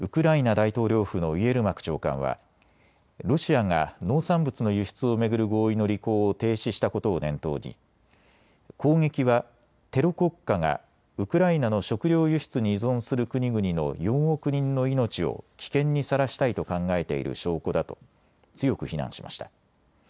大統領府のイエルマク長官はロシアが農産物の輸出を巡る合意の履行を停止したことを念頭に攻撃はテロ国家がウクライナの食料輸出に依存する国々の４億人の命を危険にさらしたいと考えている証拠だと強く非難しました。